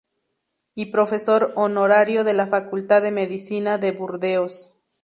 Y profesor Honorario de la Facultad de Medicina de Burdeos.